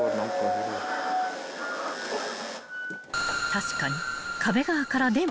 ［確かに］